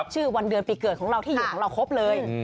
ชื่อวันเดือนปีเกิดของเราที่อยู่ของเราครบเลย